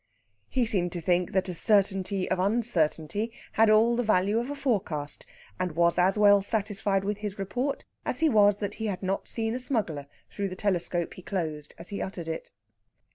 He seemed to think that a certainty of uncertainty had all the value of a forecast, and was as well satisfied with his report as he was that he had not seen a smuggler through the telescope he closed as he uttered it.